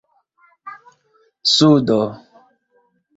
sudo